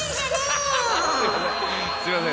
すいません！